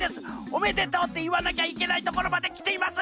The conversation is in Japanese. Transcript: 「おめでとう」っていわなきゃいけないところまできています。